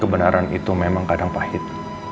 kebenaran itu memang kadang pahit